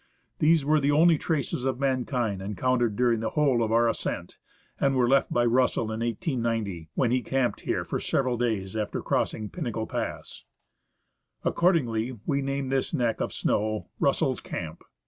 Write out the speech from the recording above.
These were the only traces of mankind encountered during the whole of our ascent, and were left by Russell in 1890, when he camped here for several days after crossing Pinnacle Pass.^ THE HITCHCOCK HILLS, FROM " RUSSELL CAMP." Accordingly, we named this neck of snow Russell's Camp.